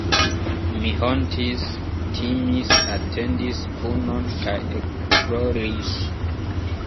Mi hontis, timis, atendis punon kaj ekploris.